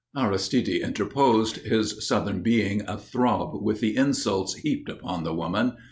"] Aristide interposed, his Southern being athrob with the insults heaped upon the woman.